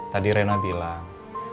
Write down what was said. tadi rena bilang